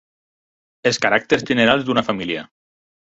Els caràcters generals d'una família.